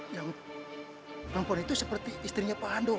yang perempuan itu seperti istrinya pak hando